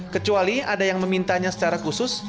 kecuali ada yang memintanya secara khusus